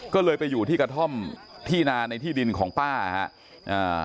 ก็เลยไปอยู่ที่กระท่อมที่นาในที่ดินของป้าฮะอ่า